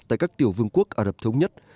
tại các tiểu vương quốc ả rập thống nhất